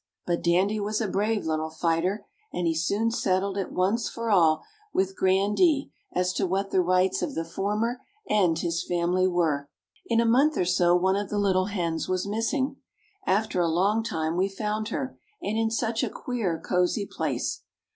But Dandy was a brave little fighter, and he soon settled it once for all with Grandee as to what the rights of the former and his family were. In a month or so one of the little hens was missing. After a long time we found her, and in such a queer, cozy place!